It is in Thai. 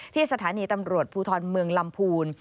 ที่สถานีตำรวจภูทรเมืองลำพูน